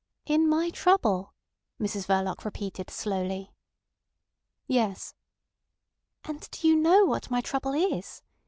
"In my trouble!" Mrs Verloc repeated slowly. "Yes." "And do you know what my trouble is?"